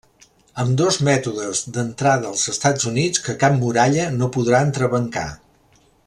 Ambdós mètodes d'entrada als Estats Units que cap muralla no podrà entrebancar.